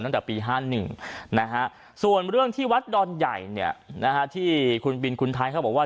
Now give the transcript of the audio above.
ตั้งแต่ปีห้านึงนะฮะส่วนเรื่องที่วัดดอนใหญ่เนี่ยนะฮะที่คุณบินคุณไทน์เขาบอกว่า